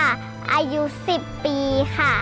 อายุ๑๐ปีค่ะ